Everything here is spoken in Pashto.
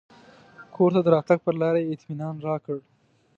کور ته د راتګ پر لار یې اطمنان راکړ.